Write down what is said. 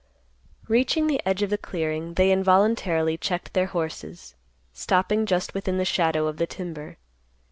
Reaching the edge of the clearing, they involuntarily checked their horses, stopping just within the shadow of the timber.